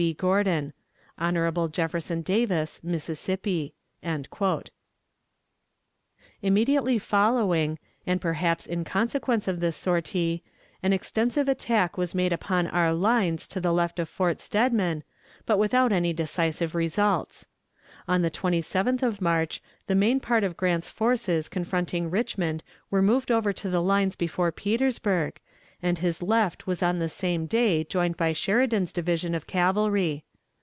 B. GORDON. "Hon. JEFFERSON DAVIS, Mississippi." Immediately following, and perhaps in consequence of this sortie, an extensive attack was made upon our lines to the left of Fort Steadman, but without any decisive results. On the 27th of March the main part of Grant's forces confronting Richmond were moved over to the lines before Petersburg, and his left was on the same day joined by Sheridan's division of cavalry.